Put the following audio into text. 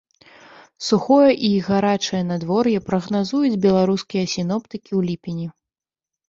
Сухое і гарачае надвор'е прагназуюць беларускія сіноптыкі ў ліпені.